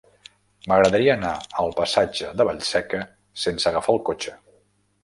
M'agradaria anar al passatge de Vallseca sense agafar el cotxe.